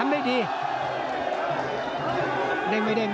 แสดง